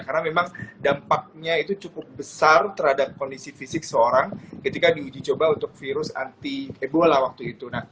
karena memang dampaknya itu cukup besar terhadap kondisi fisik seorang ketika di uji coba untuk virus anti ebola waktu itu